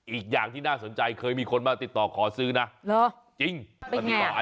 อีกอย่างที่น่าสนใจเคยมีคนมาติดต่อขอซื้อน่ะ